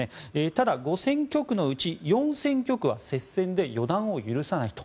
ただ５選挙区のうち４選挙区は接戦で予断を許さないと。